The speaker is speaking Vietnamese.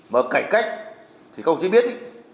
mà cải cách thì công chí biết